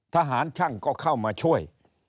ทหารช่างก็เข้ามาช่วย